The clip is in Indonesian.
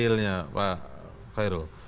misalnya seperti apa tuh realnya pak khairul